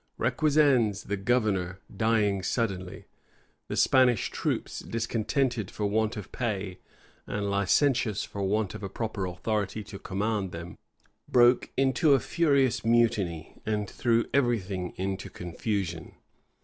Requesens, the governor, dying suddenly, the Spanish troops, discontented for want of pay, and licentious for want of a proper authority to command them, broke into a furious mutiny, and threw every thing into confusion.